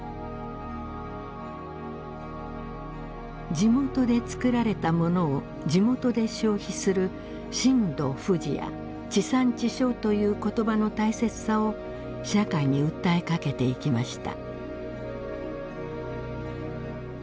地元で作られた物を地元で消費する身土不二や地産地消という言葉の大切さを社会に訴えかけていきました。